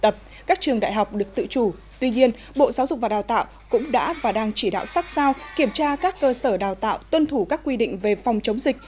bộ giáo dục và đào tạo cũng đã và đang chỉ đạo sát sao kiểm tra các cơ sở đào tạo tuân thủ các quy định về phòng chống dịch